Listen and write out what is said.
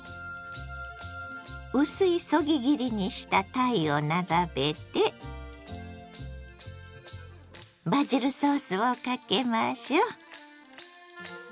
薄いそぎ切りにしたたいを並べてバジルソースをかけましょう！